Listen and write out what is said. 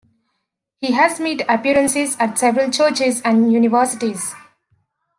He has made appearances at several churches and universities.